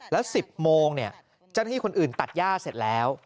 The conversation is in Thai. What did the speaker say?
แล้ว๑๐โมงจะได้ให้คนอื่นตัดย่าเสร็จแล้ว